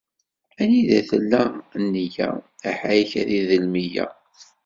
Anida tella nneyya, aḥayek ad idel meyya.